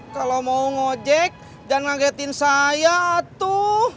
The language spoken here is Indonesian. kalau mau ngojek dan ngagetin saya tuh